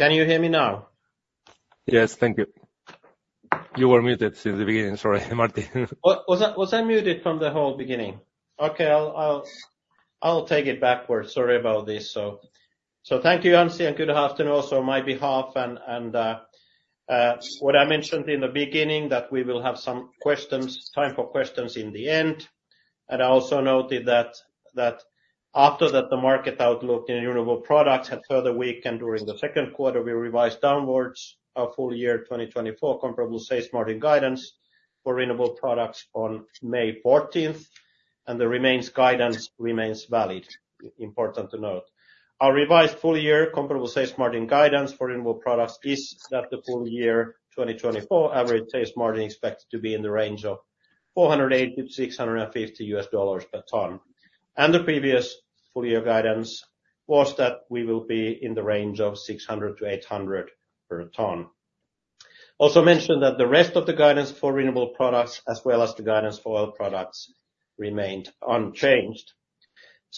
Can you hear me now? Yes, thank you. You were muted since the beginning, sorry, Matti. Was I muted from the whole beginning? Okay, I'll take it backwards. Sorry about this. So thank you, Anssi, and good afternoon also on my behalf. And what I mentioned in the beginning, that we will have some time for questions in the end. And I also noted that after the market outlook in renewable products had further weakened during the second quarter, we revised downwards our full year 2024 comparable sales margin guidance for renewable products on May 14th. And the remaining guidance remains valid. Important to note. Our revised full year comparable sales margin guidance for renewable products is that the full year 2024 average sales margin is expected to be in the range of $480-$650 per ton. And the previous full year guidance was that we will be in the range of $600-$800 per ton. Also mentioned that the rest of the guidance for renewable products, as well as the guidance for oil products, remained unchanged.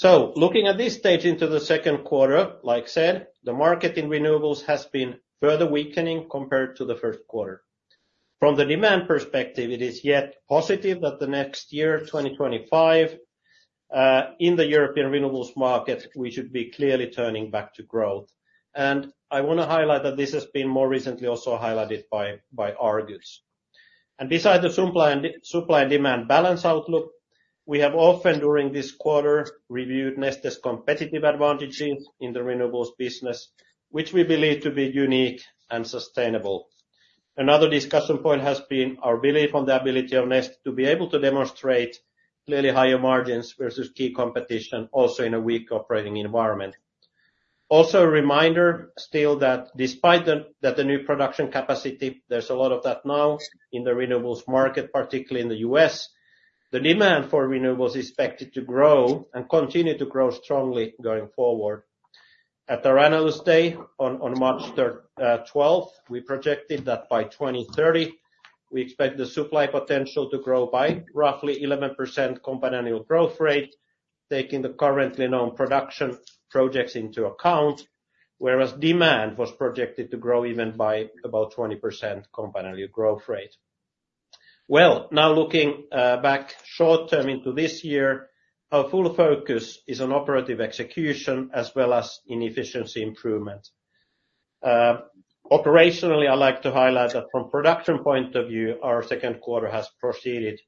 Looking at this stage into the second quarter, like I said, the market in renewables has been further weakening compared to the first quarter. From the demand perspective, it is yet positive that the next year, 2025, in the European renewables market, we should be clearly turning back to growth. I want to highlight that this has been more recently also highlighted by Argus. Beside the supply and demand balance outlook, we have often during this quarter reviewed Neste's competitive advantages in the renewables business, which we believe to be unique and sustainable. Another discussion point has been our belief on the ability of Neste to be able to demonstrate clearly higher margins versus key competition, also in a weak operating environment. Also a reminder still that despite the new production capacity, there's a lot of that now in the renewables market, particularly in the U.S., the demand for renewables is expected to grow and continue to grow strongly going forward. At our Analyst Day on March 12th, we projected that by 2030, we expect the supply potential to grow by roughly 11% compound annual growth rate, taking the currently known production projects into account, whereas demand was projected to grow even by about 20% compound annual growth rate. Well, now looking back short term into this year, our full focus is on operative execution as well as inefficiency improvement. Operationally, I'd like to highlight that from a production point of view, our second quarter has proceeded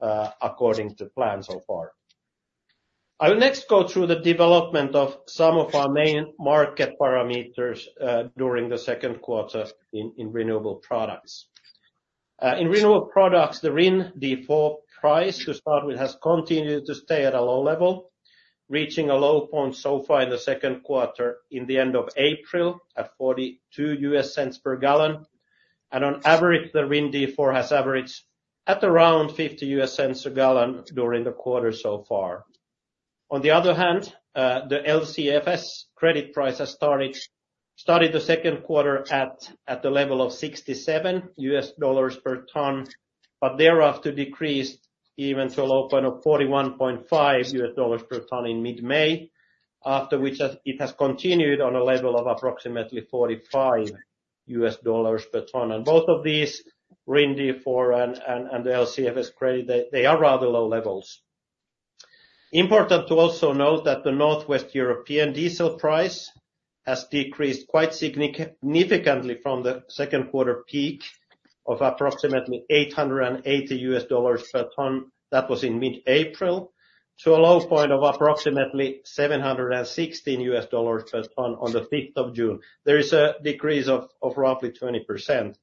according to plan so far. I will next go through the development of some of our main market parameters during the second quarter in renewable products. In renewable products, the RIN D4 price to start with has continued to stay at a low level, reaching a low point so far in the second quarter in the end of April at $0.42 per gallon. On average, the RIN D4 has averaged at around $0.50 a gallon during the quarter so far. On the other hand, the LCFS credit price has started the second quarter at the level of $67 per ton, but thereafter decreased even to a low point of $41.5 per ton in mid-May, after which it has continued on a level of approximately $45 per ton. Both of these, RIN D4 and the LCFS credit, they are rather low levels. Important to also note that the Northwest European diesel price has decreased quite significantly from the second quarter peak of approximately $880 per ton. That was in mid-April to a low point of approximately $716 per ton on the 5th of June. There is a decrease of roughly 20%.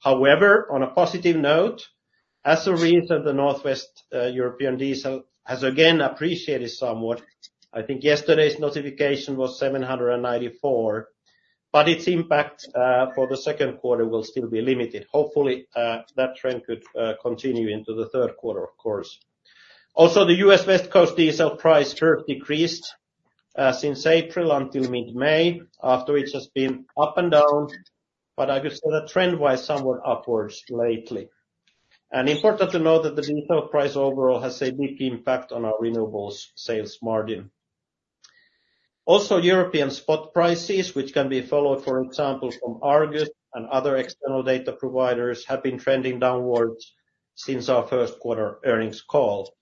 However, on a positive note, as a reason, the Northwest European diesel has again appreciated somewhat. I think yesterday's notification was $794, but its impact for the second quarter will still be limited. Hopefully, that trend could continue into the third quarter, of course. Also, the U.S. West Coast diesel price curve decreased since April until mid-May, after which it has been up and down, but I could say that trend-wise somewhat upwards lately. Important to note that the diesel price overall has a big impact on our renewables sales margin. Also, European spot prices, which can be followed, for example, from Argus and other external data providers, have been trending downwards since our first quarter earnings call.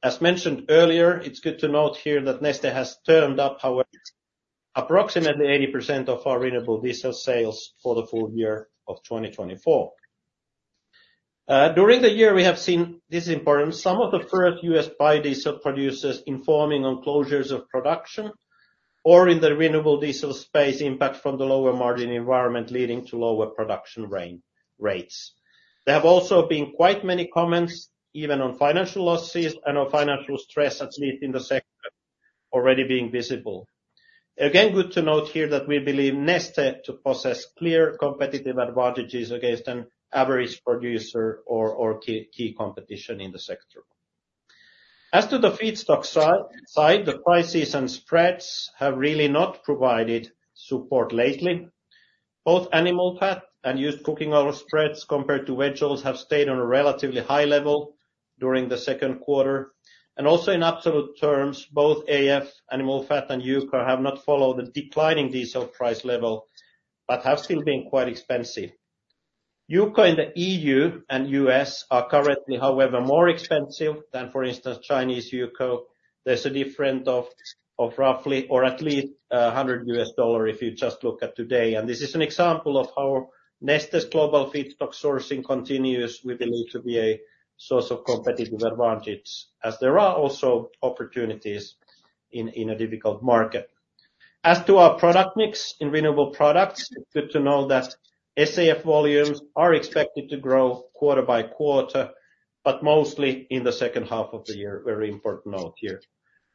As mentioned earlier, it's good to note here that Neste has turned up, however, approximately 80% of our renewable diesel sales for the full year of 2024. During the year, we have seen, this is important, some of the first U.S. biodiesel producers informing on closures of production or in the renewable diesel space impact from the lower margin environment leading to lower production rates. There have also been quite many comments even on financial losses and on financial stress, at least in the sector, already being visible. Again, good to note here that we believe Neste to possess clear competitive advantages against an average producer or key competition in the sector. As to the feedstock side, the prices and spreads have really not provided support lately. Both animal fat and used cooking oil spreads compared to veg oils have stayed on a relatively high level during the second quarter. Also in absolute terms, both AF, animal fat, and Yuka have not followed the declining diesel price level, but have still been quite expensive. Yuka in the EU and U.S. are currently, however, more expensive than, for instance, Chinese Yuka. There's a difference of roughly or at least $100 if you just look at today. This is an example of how Neste's global feedstock sourcing continues, we believe, to be a source of competitive advantage, as there are also opportunities in a difficult market. As to our product mix in renewable products, it's good to know that SAF volumes are expected to grow quarter by quarter, but mostly in the second half of the year, very important note here.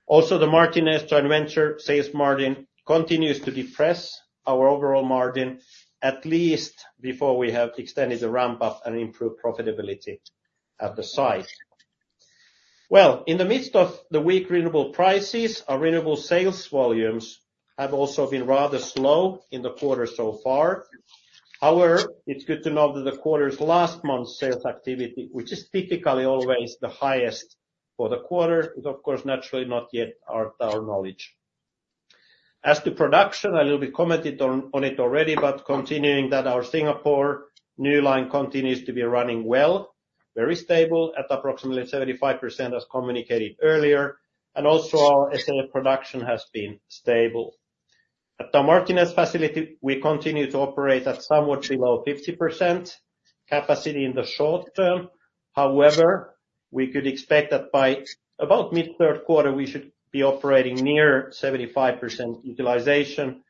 Also, the Martinez Renewables joint venture sales margin continues to depress our overall margin, at least before we have extended the ramp-up and improved profitability at the site. Well, in the midst of the weak renewable prices, our renewable sales volumes have also been rather slow in the quarter so far. However, it's good to know that the quarter's last month's sales activity, which is typically always the highest for the quarter, is of course naturally not yet our knowledge. As to production, a little bit commented on it already, but continuing that our Singapore new line continues to be running well, very stable at approximately 75%, as communicated earlier, and also our SAF production has been stable. At the Martinez Neste facility, we continue to operate at somewhat below 50% capacity in the short term. However, we could expect that by about mid-third quarter, we should be operating near 75% utilization.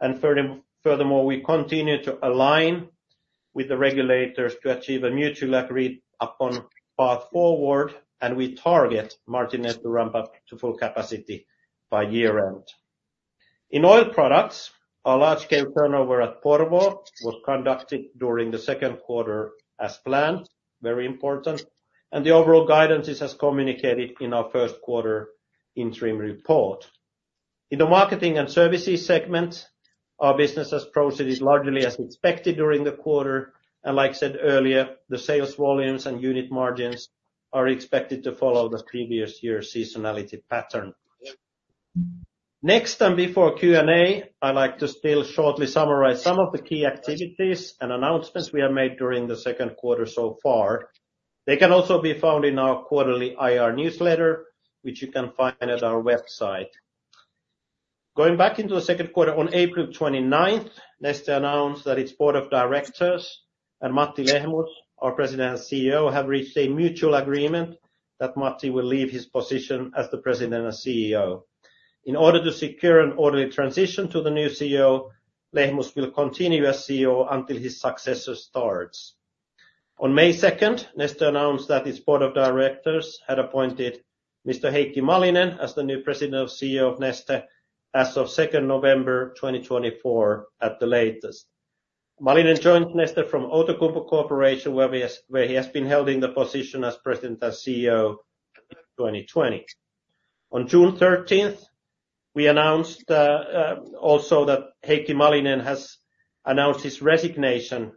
And furthermore, we continue to align with the regulators to achieve a mutual agreed-upon path forward, and we target Martinez Neste to ramp up to full capacity by year-end. In oil products, our large-scale turnaround at Porvoo was conducted during the second quarter as planned, very important. And the overall guidance is as communicated in our first quarter interim report. In the marketing and services segment, our business has proceeded largely as expected during the quarter. And like I said earlier, the sales volumes and unit margins are expected to follow the previous year's seasonality pattern. Next, and before Q&A, I'd like to still shortly summarize some of the key activities and announcements we have made during the second quarter so far. They can also be found in our quarterly IR newsletter, which you can find at our website. Going back into the second quarter, on April 29th, Neste announced that its board of directors and Matti Lehmus, our President and CEO, have reached a mutual agreement that Matti will leave his position as the President and CEO. In order to secure an orderly transition to the new CEO, Lehmus will continue as CEO until his successor starts. On May 2nd, Neste announced that its board of directors had appointed Mr. Heikki Malinen as the new President and CEO of Neste as of 2nd November 2024 at the latest. Malinen joined Neste from Outokumpu Corporation, where he has been held in the position as President and CEO since 2020. On June 13th, we announced also that Heikki Malinen has announced his resignation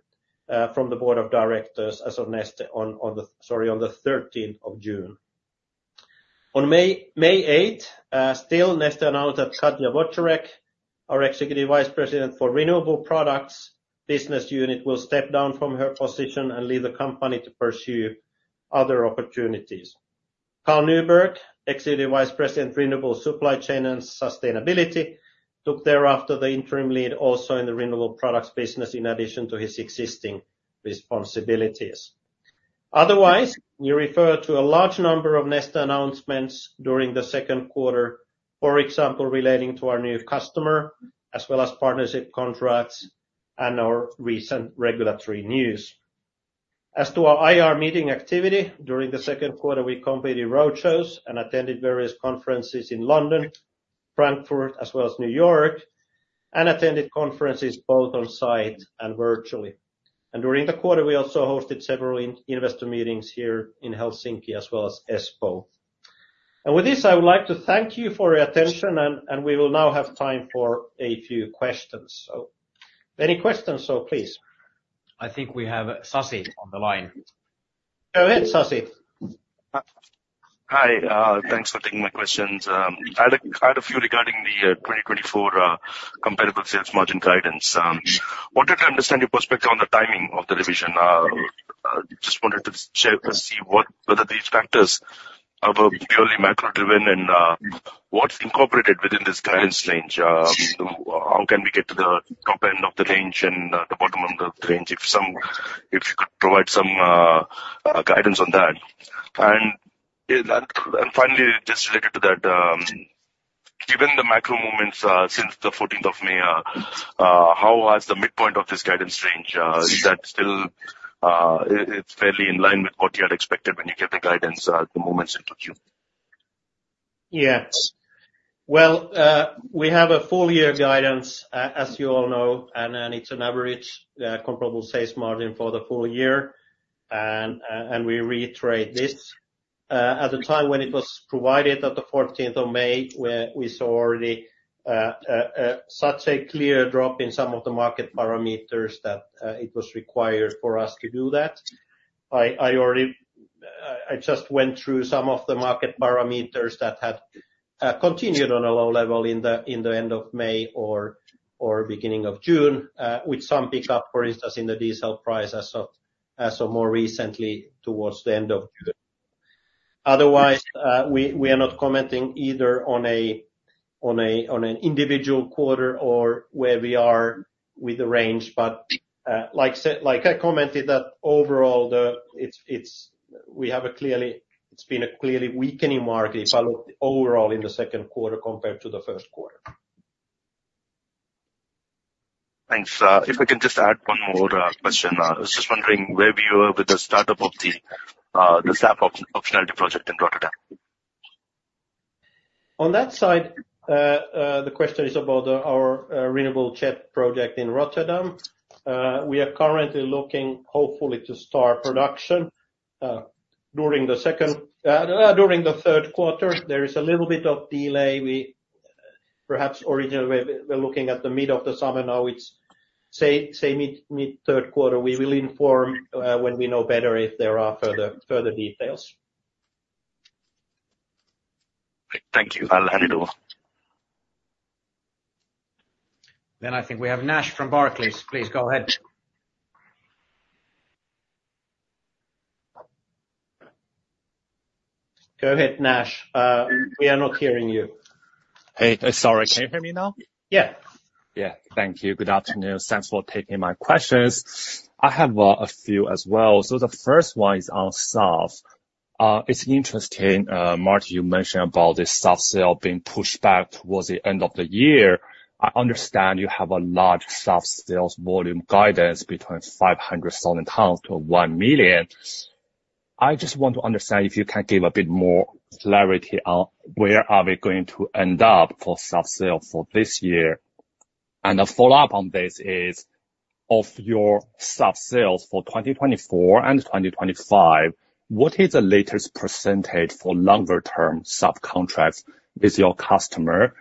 from the board of directors as of Neste on the 13th of June. On May 8th, still, Neste announced that Katja Wodjereck, our Executive Vice President for renewable products business unit, will step down from her position and leave the company to pursue other opportunities. Carl Nyberg, Executive Vice President, renewable supply chain and sustainability, took thereafter the interim lead also in the renewable products business in addition to his existing responsibilities. Otherwise, we refer to a large number of Neste announcements during the second quarter, for example, relating to our new customer, as well as partnership contracts and our recent regulatory news. As to our IR meeting activity, during the second quarter, we completed roadshows and attended various conferences in London, Frankfurt, as well as New York, and attended conferences both on site and virtually. And during the quarter, we also hosted several investor meetings here in Helsinki as well as Espoo. And with this, I would like to thank you for your attention, and we will now have time for a few questions. So any questions, so please. I think we have Sasi on the line. Go ahead, Sasi. Hi, thanks for taking my questions. I had a few regarding the 2024 Comparable Sales Margin guidance. Wanted to understand your perspective on the timing of the revision. Just wanted to see whether these factors are purely macro-driven and what's incorporated within this guidance range. How can we get to the top end of the range and the bottom end of the range if you could provide some guidance on that? And finally, just related to that, given the macro movements since the 14th of May, how has the midpoint of this guidance range? Is that still fairly in line with what you had expected when you gave the guidance, the movements into Q? Yes. Well, we have a full-year guidance, as you all know, and it's an average comparable sales margin for the full year. And we reiterate this. At the time when it was provided at the 14th of May, we saw already such a clear drop in some of the market parameters that it was required for us to do that. I just went through some of the market parameters that had continued on a low level in the end of May or beginning of June, with some pickup, for instance, in the diesel price as of more recently towards the end of June. Otherwise, we are not commenting either on an individual quarter or where we are with the range. But like I commented that overall, we have a clearly, it's been a clearly weakening market if I look overall in the second quarter compared to the first quarter. Thanks. If I can just add one more question, I was just wondering where we were with the startup of the SAF optionality project in Rotterdam. On that side, the question is about our renewable SAF project in Rotterdam. We are currently looking, hopefully, to start production during the third quarter. There is a little bit of delay. Perhaps originally we're looking at the mid of the summer now. It's, say, mid-third quarter. We will inform when we know better if there are further details. Thank you. I'll hand it over. Then I think we have Nash from Barclays. Please go ahead. Go ahead, Nash. We are not hearing you. Hey, sorry. Can you hear me now? Yeah. Yeah. Thank you. Good afternoon. Thanks for taking my questions. I have a few as well. So the first one is on SAF. It's interesting, Matti, you mentioned about the SAF sale being pushed back towards the end of the year. I understand you have a large SAF sales volume guidance between 500,000 lbs - 1,000,000 lbs. I just want to understand if you can give a bit more clarity on where are we going to end up for SAF sales for this year. A follow-up on this is, of your SAF sales for 2024 and 2025, what is the latest percentage for longer-term SAF contracts with your customer?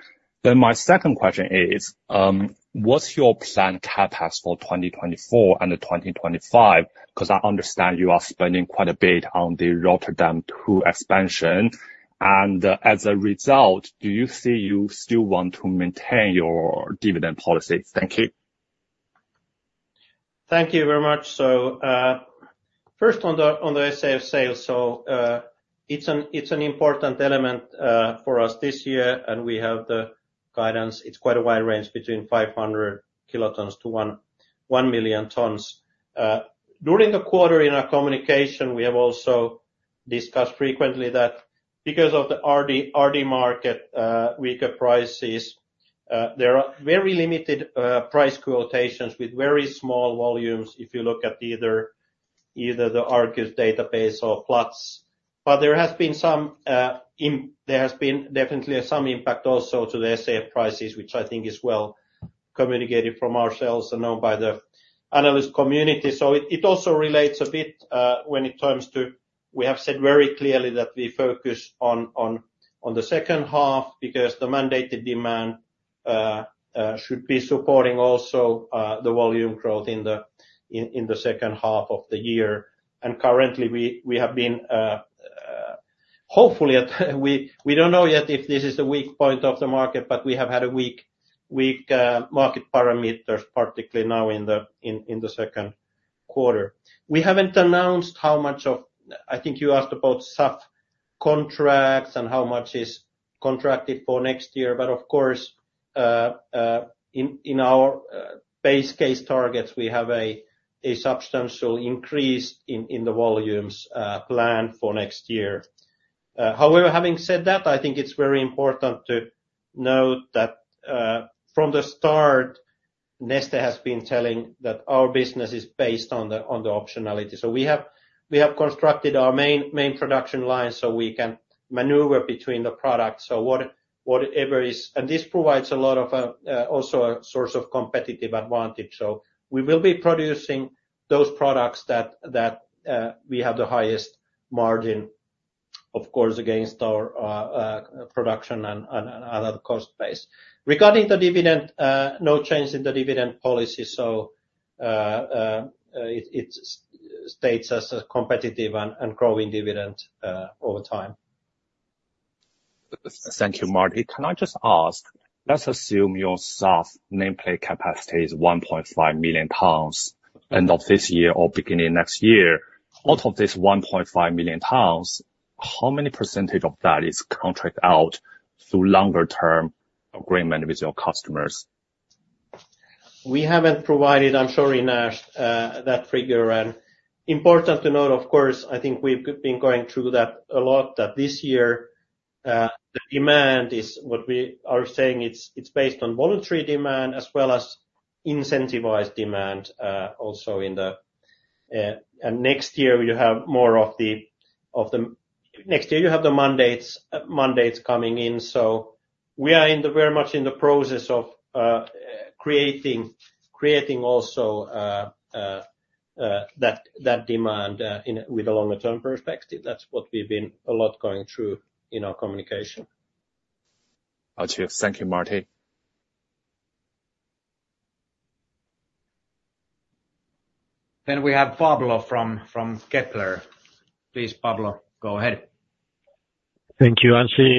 Then my second question is, what's your planned CapEx for 2024 and 2025? Because I understand you are spending quite a bit on the Rotterdam 2 expansion. And as a result, do you see you still want to maintain your dividend policy? Thank you. Thank you very much. First, on the SAF sales, so it's an important element for us this year, and we have the guidance. It's quite a wide range between 500 kilotons-1 million tons. During the quarter, in our communication, we have also discussed frequently that because of the RD market, weaker prices, there are very limited price quotations with very small volumes if you look at either the Argus database or Platts. But there has been definitely some impact also to the SAF prices, which I think is well communicated from ourselves and known by the analyst community. So it also relates a bit when it comes to, we have said very clearly that we focus on the second half because the mandated demand should be supporting also the volume growth in the second half of the year. And currently, we have been, hopefully, we don't know yet if this is a weak point of the market, but we have had weak market parameters, particularly now in the second quarter. We haven't announced how much of, I think you asked about SAF contracts and how much is contracted for next year. But of course, in our base case targets, we have a substantial increase in the volumes planned for next year. However, having said that, I think it's very important to note that from the start, Neste has been telling that our business is based on the optionality. So we have constructed our main production line so we can maneuver between the products. So whatever is, and this provides a lot of also a source of competitive advantage. So we will be producing those products that we have the highest margin, of course, against our production and other cost base. Regarding the dividend, no change in the dividend policy. So it states as a competitive and growing dividend over time. Thank you, Matti. Can I just ask? Let's assume your SAF nameplate capacity is 1.5 million lbs end of this year or beginning next year. Out of this 1.5 million lbs, how many percentage of that is contracted out through longer-term agreement with your customers? We haven't provided, I'm sorry, Nash, that figure. Important to note, of course, I think we've been going through that a lot, that this year, the demand is what we are saying, it's based on voluntary demand as well as incentivized demand also in the. And next year, you have more of the, next year, you have the mandates coming in. So we are very much in the process of creating also that demand with a longer-term perspective. That's what we've been a lot going through in our communication. Thank you, Matti. We have Pablo from Kepler. Please, Pablo, go ahead. Thank you, Anssi.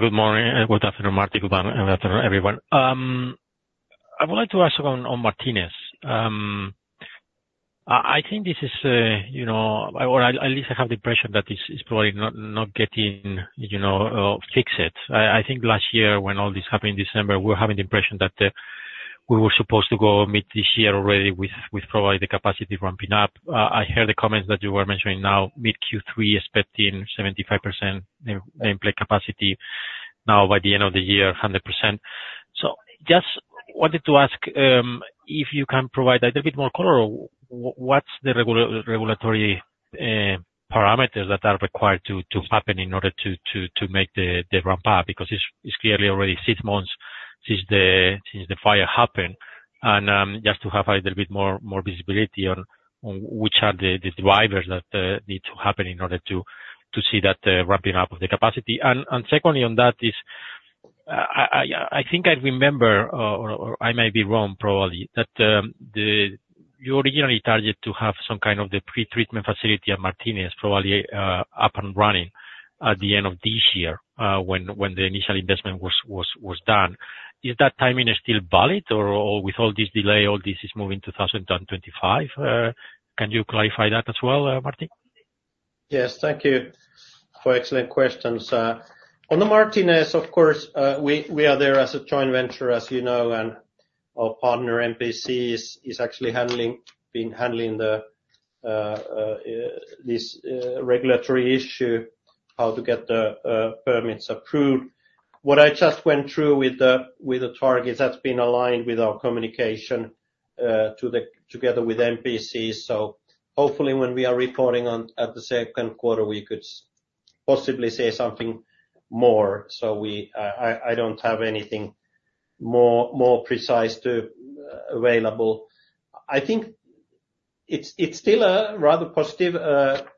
Good morning. Good afternoon, Matti. Good afternoon, everyone. I would like to ask on Martinez. I think this is, or at least I have the impression that it's probably not getting fixed. I think last year when all this happened in December, we were having the impression that we were supposed to go mid this year already with probably the capacity ramping up. I heard the comments that you were mentioning now, mid Q3, expecting 75% nameplate capacity. Now, by the end of the year, 100%. So just wanted to ask if you can provide a little bit more color, what's the regulatory parameters that are required to happen in order to make the ramp up? Because it's clearly already six months since the fire happened. And just to have a little bit more visibility on which are the drivers that need to happen in order to see that ramping up of the capacity. Secondly, on that is, I think I remember, or I may be wrong probably, that you originally targeted to have some kind of the pre-treatment facility at Martinez, probably up and running at the end of this year when the initial investment was done. Is that timing still valid? Or with all this delay, all this is moving to 2025? Can you clarify that as well, Matti? Yes. Thank you for excellent questions. On the Martinez, of course, we are there as a joint venture, as you know, and our partner, MPC, is actually been handling this regulatory issue, how to get the permits approved. What I just went through with the targets has been aligned with our communication together with MPC. So hopefully, when we are reporting at the second quarter, we could possibly say something more. So I don't have anything more precise available. I think it's still a rather positive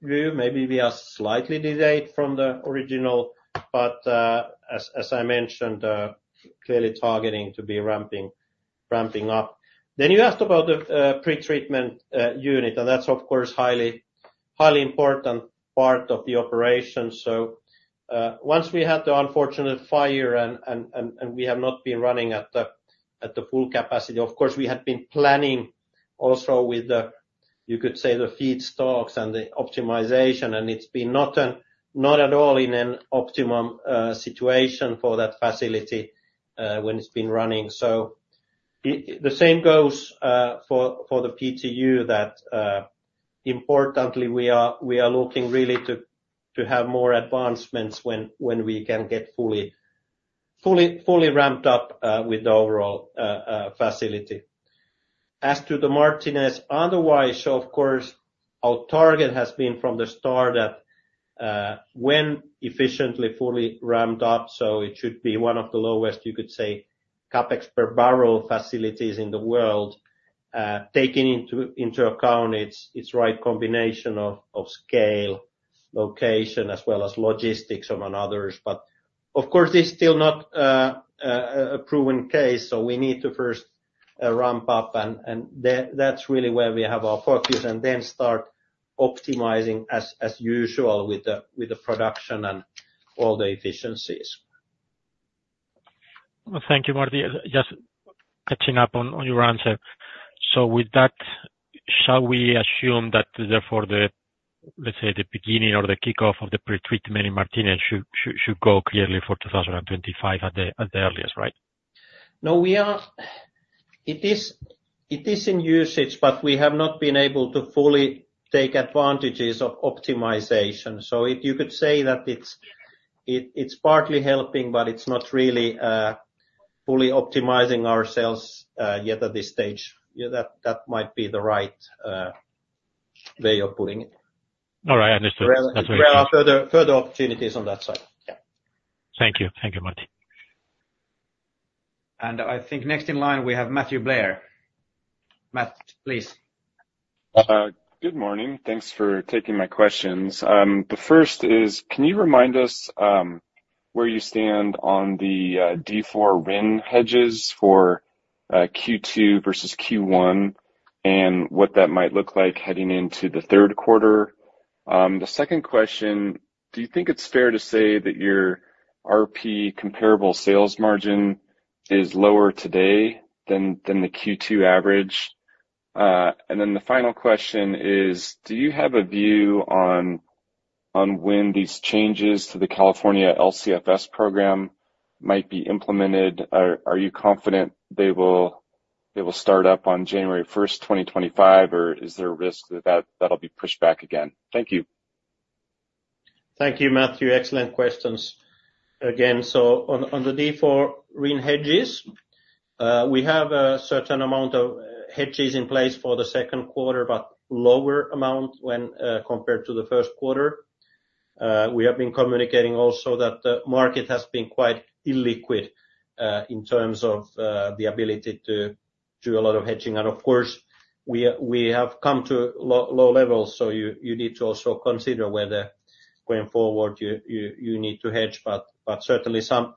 view. Maybe we are slightly delayed from the original, but as I mentioned, clearly targeting to be ramping up. Then you asked about the pre-treatment unit, and that's, of course, a highly important part of the operation. So once we had the unfortunate fire and we have not been running at the full capacity, of course, we had been planning also with the, you could say, the feedstocks and the optimization, and it's been not at all in an optimum situation for that facility when it's been running. So the same goes for the PTU that, importantly, we are looking really to have more advancements when we can get fully ramped up with the overall facility. As to the Martinez, otherwise, of course, our target has been from the start that when efficiently fully ramped up, so it should be one of the lowest, you could say, CapEx per barrel facilities in the world, taking into account its right combination of scale, location, as well as logistics among others. But of course, this is still not a proven case, so we need to first ramp up, and that's really where we have our focus, and then start optimizing as usual with the production and all the efficiencies. Thank you, Matti. Just catching up on your answer. So with that, shall we assume that therefore, let's say, the beginning or the kickoff of the pre-treatment in Martinez should go clearly for 2025 at the earliest, right? No, it is in usage, but we have not been able to fully take advantages of optimization. So you could say that it's partly helping, but it's not really fully optimizing ourselves yet at this stage. That might be the right way of putting it. All right. I understood. There are further opportunities on that side. Yeah. Thank you. Thank you, Matti. And I think next in line, we have Matthew Blair. Matt, please. Good morning. Thanks for taking my questions. The first is, can you remind us where you stand on the D4 RIN hedges for Q2 versus Q1 and what that might look like heading into the third quarter? The second question, do you think it's fair to say that your RP comparable sales margin is lower today than the Q2 average? And then the final question is, do you have a view on when these changes to the California LCFS program might be implemented? Are you confident they will start up on January 1st, 2025, or is there a risk that that'll be pushed back again? Thank you. Thank you, Matthew. Excellent questions. Again, so on the D4 RIN hedges, we have a certain amount of hedges in place for the second quarter, but lower amount when compared to the first quarter. We have been communicating also that the market has been quite illiquid in terms of the ability to do a lot of hedging. And of course, we have come to low levels, so you need to also consider whether going forward you need to hedge, but certainly some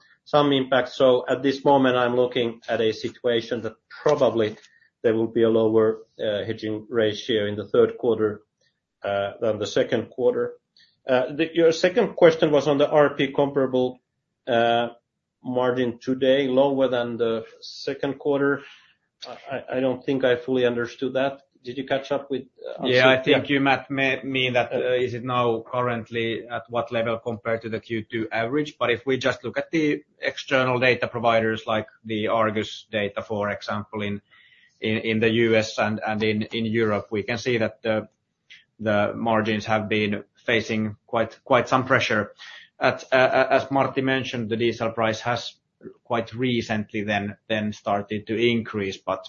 impact. So at this moment, I'm looking at a situation that probably there will be a lower hedging ratio in the third quarter than the second quarter. Your second question was on the RP comparable margin today, lower than the second quarter. I don't think I fully understood that. Did you catch up with? Yeah, I think you mean that is it now currently at what level compared to the Q2 average? But if we just look at the external data providers like the Argus data, for example, in the U.S. and in Europe, we can see that the margins have been facing quite some pressure. As Matti mentioned, the diesel price has quite recently then started to increase, but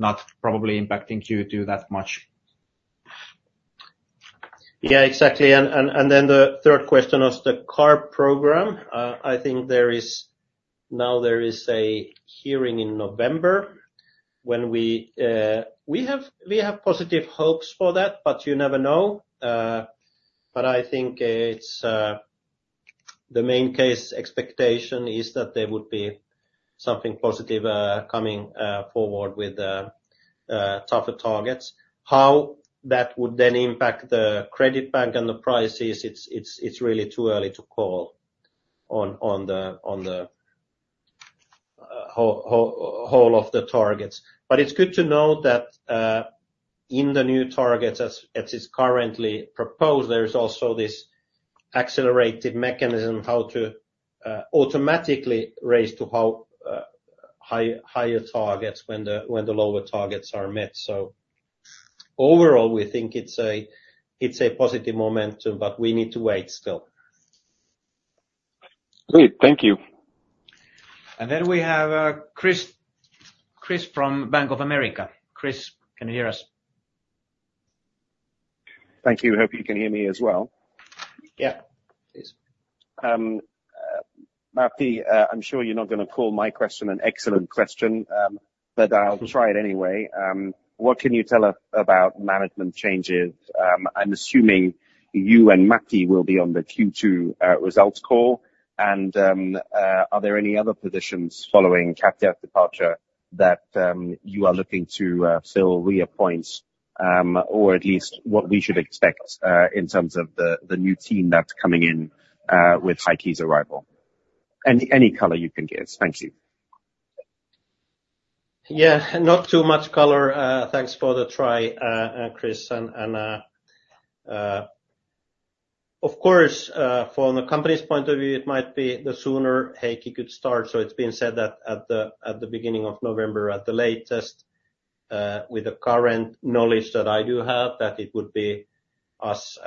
not probably impacting Q2 that much. Yeah, exactly. And then the third question was the CARB program. I think now there is a hearing in November when we have positive hopes for that, but you never know. But I think the main case expectation is that there would be something positive coming forward with tougher targets. How that would then impact the credit bank and the price is it's really too early to call on the whole of the targets. But it's good to know that in the new targets as it's currently proposed, there is also this accelerated mechanism how to automatically raise to higher targets when the lower targets are met. So overall, we think it's a positive momentum, but we need to wait still. Great. Thank you. And then we have Chris from Bank of America. Chris, can you hear us? Thank you. Hope you can hear me as well. Yeah. Please. Matti, I'm sure you're not going to call my question an excellent question, but I'll try it anyway. What can you tell us about management changes? I'm assuming you and Matti will be on the Q2 results call. Are there any other positions following Katja's departure that you are looking to still reappoint, or at least what we should expect in terms of the new team that's coming in with Heikki's arrival? Any color you can give. Thank you. Yeah. Not too much color. Thanks for the try, Chris. Of course, from the company's point of view, it might be the sooner Heikki could start. So it's been said that at the beginning of November, at the latest, with the current knowledge that I do have, that it would be us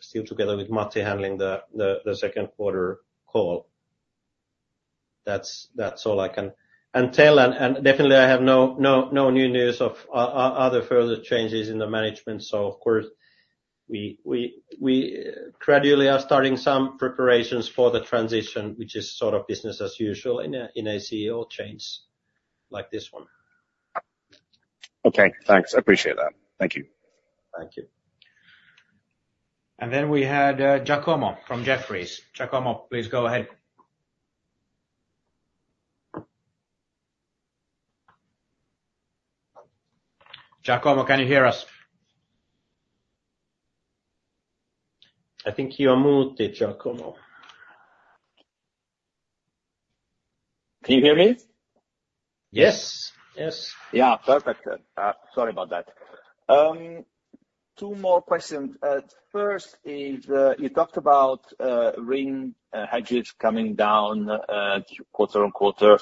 still together with Matti handling the second quarter call. That's all I can tell. Definitely, I have no new news of other further changes in the management. Of course, we gradually are starting some preparations for the transition, which is sort of business as usual in a CEO change like this one. Okay Thanks. Appreciate that. Thank you. Thank you. And then we had Giacomo from Jefferies. Giacomo, please go ahead. Giacomo, can you hear us? I think you are muted, Giacomo. Can you hear me? Yes. Yes. Yeah. Perfect. Sorry about that. Two more questions. First is, you talked about RIN hedges coming down quarter on quarter.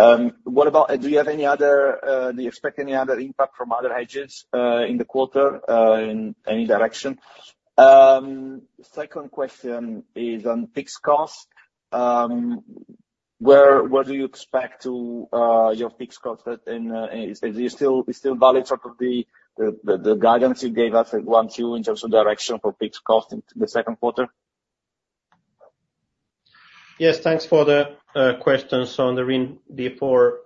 Do you have any other do you expect any other impact from other hedges in the quarter in any direction? Second question is on fixed costs. Where do you expect your fixed costs? Is it still valid sort of the guidance you gave us once you in terms of direction for fixed costs in the second quarter? Yes. Thanks for the question. So on the RIN D4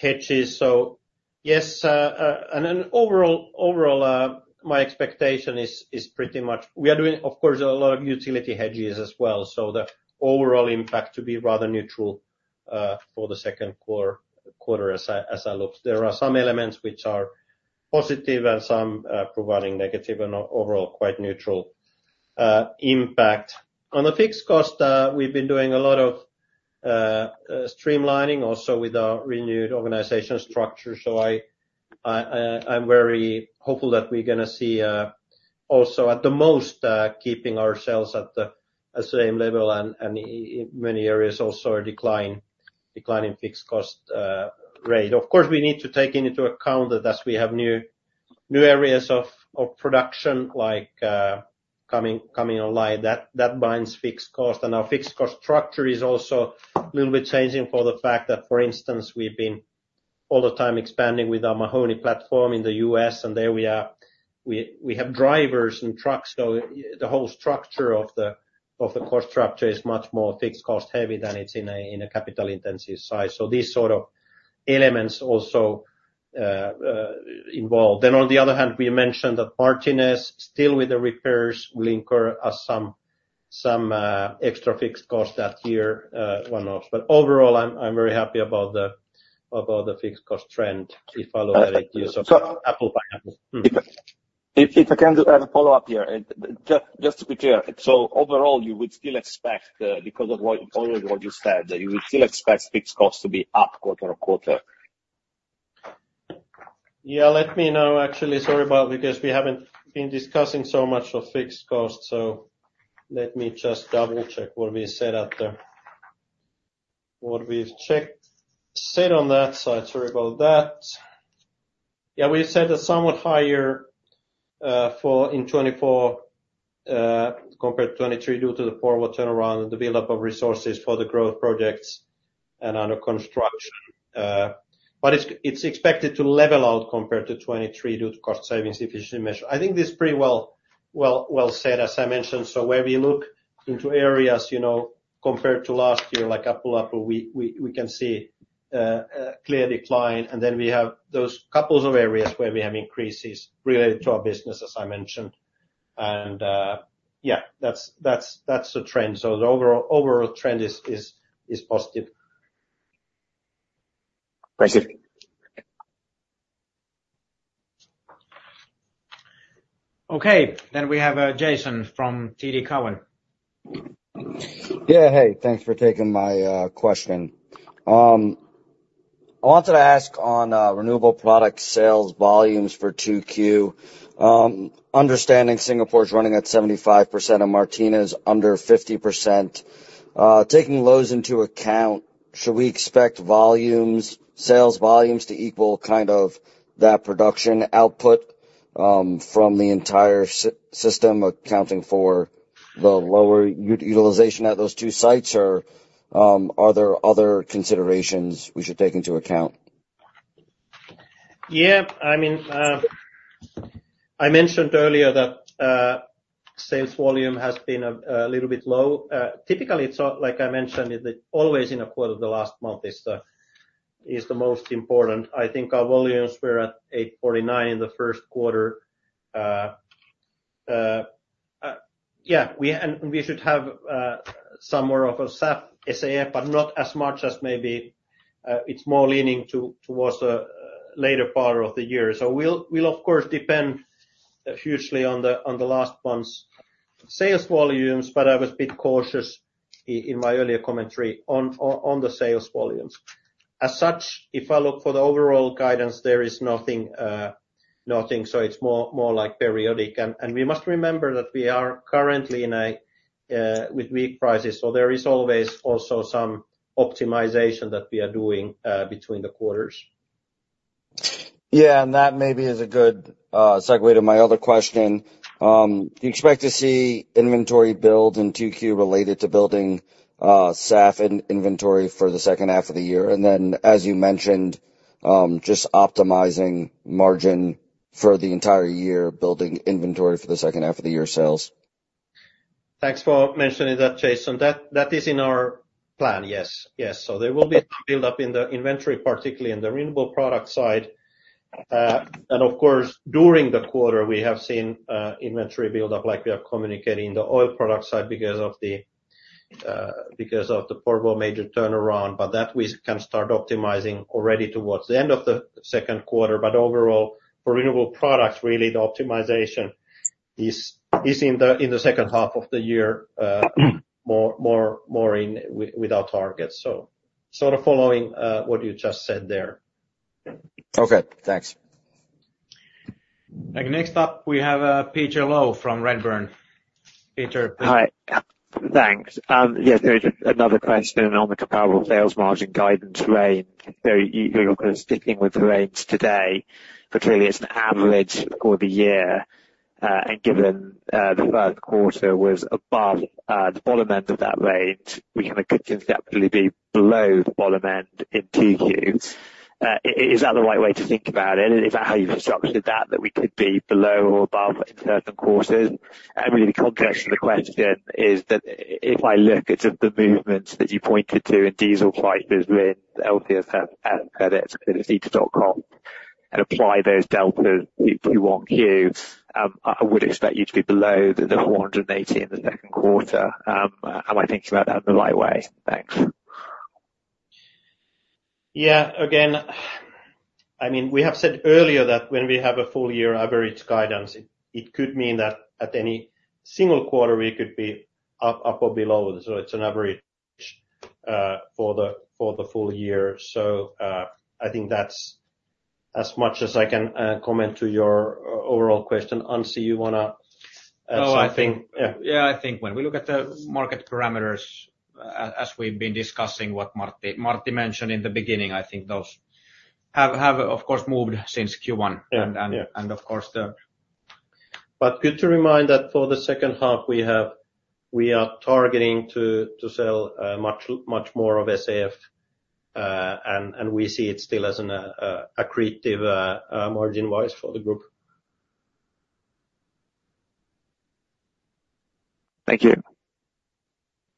hedges, so yes. And overall, my expectation is pretty much we are doing, of course, a lot of utility hedges as well. So the overall impact to be rather neutral for the second quarter as I look. There are some elements which are positive and some providing negative and overall quite neutral impact. On the fixed cost, we've been doing a lot of streamlining also with our renewed organization structure. So I'm very hopeful that we're going to see also at the most keeping ourselves at the same level and in many areas also a decline in fixed cost rate. Of course, we need to take into account that as we have new areas of production coming online, that binds fixed cost. And our fixed cost structure is also a little bit changing for the fact that, for instance, we've been all the time expanding with our Mahoney platform in the US, and there we have drivers and trucks. So the whole structure of the cost structure is much more fixed cost heavy than it's in a capital-intensive sector. So these sort of elements also involved. Then on the other hand, we mentioned that Martinez still with the repairs will incur some extra fixed cost that year, one-off. But overall, I'm very happy about the fixed cost trend if I look at it apples to apples. If I can add a follow-up here, just to be clear. So overall, you would still expect because of what you said, that you would still expect fixed costs to be up quarter-on-quarter. Yeah. Let me know, actually. Sorry about that because we haven't been discussing so much of fixed costs. So let me just double-check what we said out there. What we've said on that side. Sorry about that. Yeah. We said that somewhat higher in 2024 compared to 2023 due to the Porvoo turnaround and the buildup of resources for the growth projects and under construction. But it's expected to level out compared to 2023 due to cost savings efficiency measures. I think this is pretty well said, as I mentioned. So where we look into areas compared to last year, like OpEx, CapEx, we can see a clear decline. And then we have those couple of areas where we have increases related to our business, as I mentioned. And yeah, that's the trend. So the overall trend is positive. Thank you. Okay. Then we have Jason from TD Cowen. Yeah. Hey. Thanks for taking my question. I wanted to ask on renewable product sales volumes for Q2. Understanding Singapore is running at 75% and Martinez under 50%. Taking those into account, should we expect sales volumes to equal kind of that production output from the entire system accounting for the lower utilization at those two sites, or are there other considerations we should take into account? Yeah. I mean, I mentioned earlier that sales volume has been a little bit low. Typically, like I mentioned, always in a quarter, the last month is the most important. I think our volumes were at 849 in the first quarter. Yeah. And we should have somewhere of a SAF, SAF, but not as much as maybe it's more leaning towards the later part of the year. So we'll, of course, depend hugely on the last month's sales volumes, but I was a bit cautious in my earlier commentary on the sales volumes. As such, if I look for the overall guidance, there is nothing. So it's more like periodic. We must remember that we are currently with weak prices. So there is always also some optimization that we are doing between the quarters. Yeah. And that maybe is a good segue to my other question. Do you expect to see inventory build in Q2 related to building SAF inventory for the second half of the year? And then, as you mentioned, just optimizing margin for the entire year, building inventory for the second half of the year sales? Thanks for mentioning that, Jason. That is in our plan, yes. Yes. So there will be some buildup in the inventory, particularly in the renewable product side. And of course, during the quarter, we have seen inventory buildup like we are communicating in the oil product side because of the Porvoo major turnaround. But that we can start optimizing already towards the end of the second quarter. Overall, for renewable products, really, the optimization is in the second half of the year more without targets. So sort of following what you just said there. Okay. Thanks. Next up, we have Peter Low from Redburn. Peter, please. Hi. Thanks. Yeah. There is another question on the comparable sales margin guidance range. So you're kind of sticking with the range today, but really, it's an average for the year. And given the first quarter was above the bottom end of that range, we kind of could conceptually be below the bottom end in Q2. Is that the right way to think about it? Is that how you structured that, that we could be below or above in certain quarters? And really, the context of the question is that if I look at the movements that you pointed to in diesel prices with LCFS, credits, credits, dot com, and apply those deltas to Q1, I would expect you to be below the $480 in the second quarter. Am I thinking about that in the right way? Thanks. Yeah. Again, I mean, we have said earlier that when we have a full-year average guidance, it could mean that at any single quarter, we could be above or below. So it's an average for the full year. So I think that's as much as I can comment on your overall question. Anssi, you want to add something? Yeah. I think when we look at the market parameters, as we've been discussing what Matti mentioned in the beginning, I think those have, of course, moved since Q1. And of course, the. But good to remind that for the second half, we are targeting to sell much more of SAF, and we see it still as an attractive margin-wise for the group. Thank you.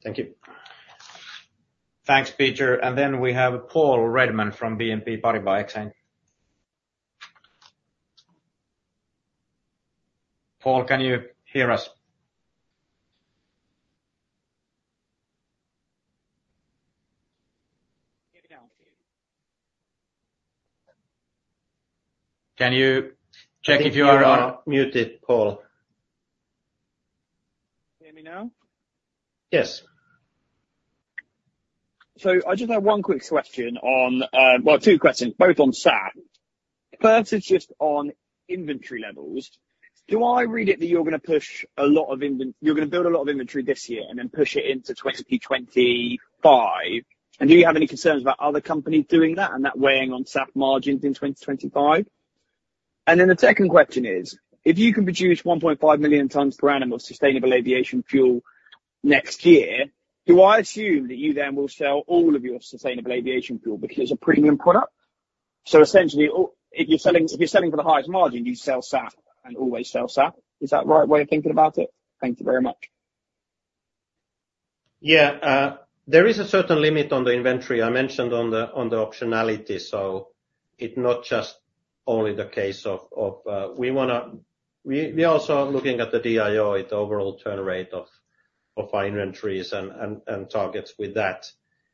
Thank you. Thanks, Peter. And then we have Paul Redman from BNP Paribas Exane. Paul, can you hear us? Can you check if you are on? You're muted, Paul. Hear me now? Yes. So I just have one quick question on, well, two questions, both on SAF. First is just on inventory levels. Do I read it that you're going to build a lot of inventory this year and then push it into 2025? And do you have any concerns about other companies doing that and that weighing on SAF margins in 2025? And then the second question is, if you can produce 1.5 million tons per annum of sustainable aviation fuel next year, do I assume that you then will sell all of your sustainable aviation fuel because it's a premium product? So essentially, if you're selling for the highest margin, you sell SAF and always sell SAF. Is that the right way of thinking about it? Thank you very much. Yeah. There is a certain limit on the inventory I mentioned on the optionality. So it's not just only the case of we want to we are also looking at the DIO, the overall turn rate of our inventories and targets with that.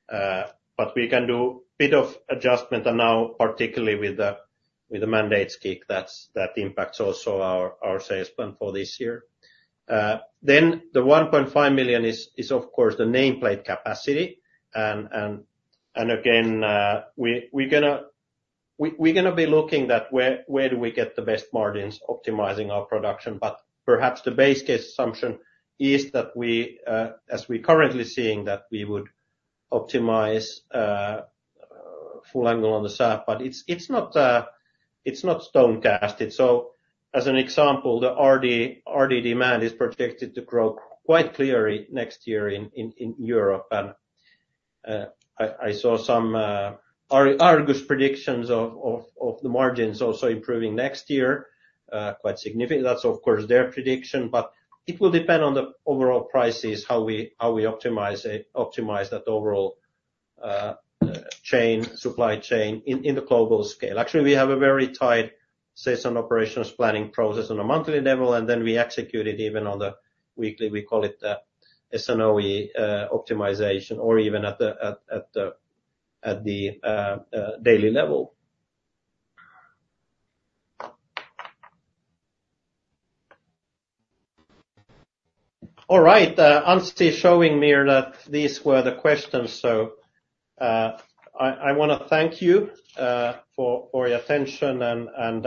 But we can do a bit of adjustment. And now, particularly with the mandates kick, that impacts also our sales plan for this year. Then the $1.5 million is, of course, the nameplate capacity. Again, we're going to be looking at where do we get the best margins optimizing our production. But perhaps the base case assumption is that we, as we're currently seeing, that we would optimize full throttle on the SAF. But it's not set in stone. So as an example, the RD demand is projected to grow quite clearly next year in Europe. And I saw some Argus predictions of the margins also improving next year, quite significant. That's, of course, their prediction. But it will depend on the overall prices, how we optimize that overall supply chain in the global scale. Actually, we have a very tight sales and operations planning process on a monthly level. And then we execute it even on the weekly. We call it the S&OP optimization or even at the daily level. All right. Anssi is showing me that these were the questions. I want to thank you for your attention and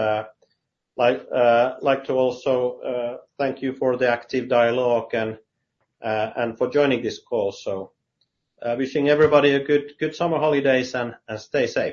like to also thank you for the active dialogue and for joining this call. Wishing everybody a good summer holidays and stay safe.